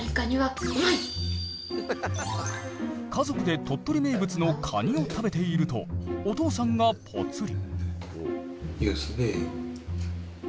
家族で鳥取名物のカニを食べているとお父さんがポツリ。